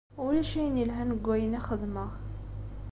Ulac ayen ilhan deg wayen i xedmeɣ.